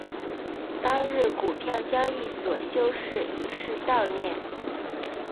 当日股票交易所休市以示悼念。